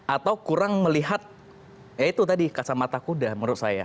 atau kurang melihat ya itu tadi kacamata kuda menurut saya